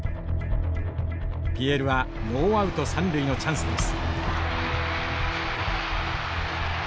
ＰＬはノーアウト三塁のチャンスです。